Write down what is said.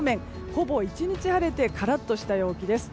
ほぼ１日晴れてカラッとした陽気です。